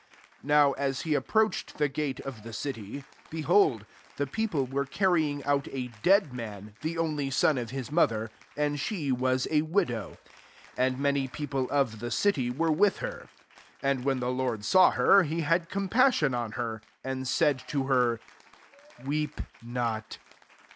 1 S N< he approached the gate of' city, behold, the fieofile ^i carrying out a dead man,^^ only son of his mother, and was a widow : and many p^ of the city [w^e] with hetv And when the Lord saw he^ had compassion on her, and to her, " Weep not."